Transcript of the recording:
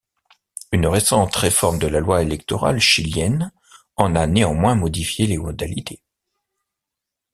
Une récente réforme de la loi électorale chilienne en a néanmoins modifié les modalités.